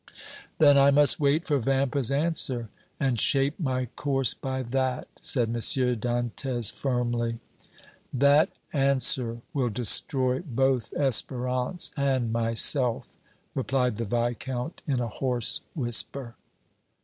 "Then I must wait for Vampa's answer, and shape my course by that!" said M. Dantès, firmly. "That answer will destroy both Espérance and myself!" replied the Viscount, in a hoarse whisper.